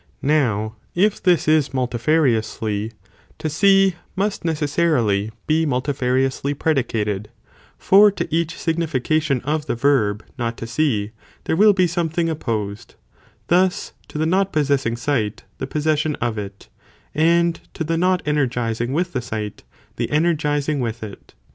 Now if this is multifariously, to see, must necessarily be muiti fariously predicated; for to each (signification of the verb) not to see, there will be something opposed, thus to the not possessing sight, the possession of it, and to the not ener gizing with the sight, the energizing with it.